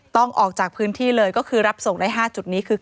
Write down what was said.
ออกจากพื้นที่เลยก็คือรับส่งได้๕จุดนี้คือ